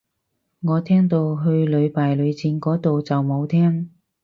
我聽到去屢敗屢戰個到就冇聽